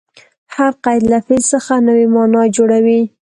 هر قید له فعل څخه نوې مانا جوړوي.